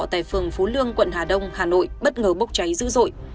tại phường phú lương quận hà đông hà nội bất ngờ bốc cháy dữ dội